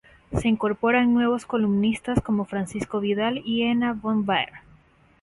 Se incorporan nuevos columnistas como Francisco Vidal y Ena von Baer.